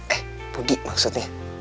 eh pugi maksudnya